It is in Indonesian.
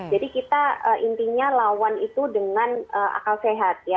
jadi kita intinya lawan itu dengan akal sehat ya